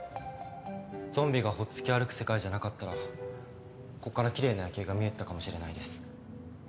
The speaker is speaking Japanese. ゾンビがほっつき歩く世界じゃなかったらここからきれいな夜景が見えてたかもしれないです。